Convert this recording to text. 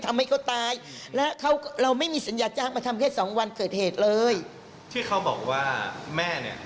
นี่เคยพูดกับเขาหรือกับใครไหม